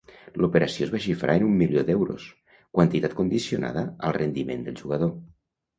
L'operació es va xifrar en un milió d'euros, quantitat condicionada al rendiment del jugador.